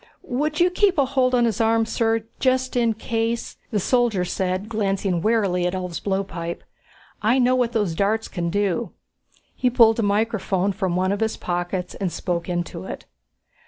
"Would you keep a hold on his arm, sir, just in case," the soldier said, glancing warily at Ulv's blowpipe. "I know what those darts can do." He pulled a microphone from one of his pockets and spoke into it.